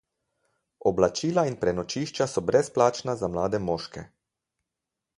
Oblačila in prenočišča so brezplačna za mlade moške.